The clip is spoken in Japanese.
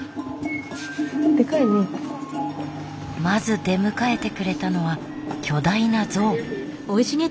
まず出迎えてくれたのは巨大な像。